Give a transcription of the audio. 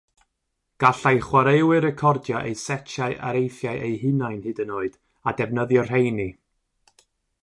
Gallai chwaraewyr recordio eu setiau areithiau eu hunain hyd yn oed a defnyddio'r rheini.